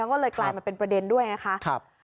ก็เลยกลายมาเป็นประเด็นด้วยนะคะ